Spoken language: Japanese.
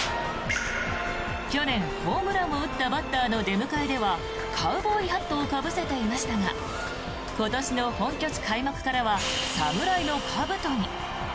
去年、ホームランを打ったバッターの出迎えではカウボーイハットをかぶせていましたが今年の本拠地開幕からは侍のかぶとに。